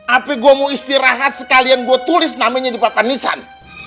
apa gua mau istirahat sekalian gua tulis namanya di papan nisan